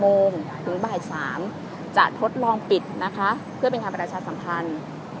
โมงถึงบ่าย๓จะทดลองปิดนะคะเพื่อเป็นการประชาสัมพันธ์